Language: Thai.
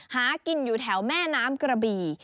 หากินอยู่แถวแม่น้ำกระบี่